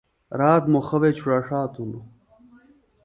رات مُخہ وے چُڑوڑا ݜاتوۡ ہِنوۡ